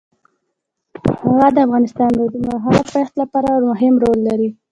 هوا د افغانستان د اوږدمهاله پایښت لپاره مهم رول لري.